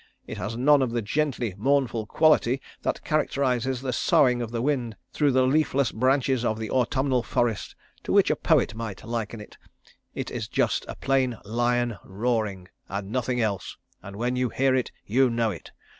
It has none of the gently mournful quality that characterises the soughing of the wind through the leafless branches of the autumnal forest, to which a poet might liken it; it is just a plain lion roaring and nothing else, and when you hear it you know it.